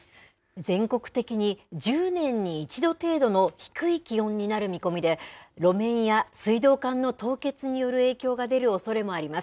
全国的に１０年に１度程度の低い気温になる見込みで、路面や水道管の凍結による影響が出るおそれもあります。